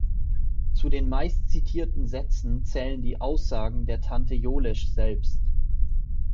Zu den meistzitierten Sätzen zählen die Aussagen der Tante Jolesch selbst.